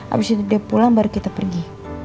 abis itu dia pulang baru kita pergi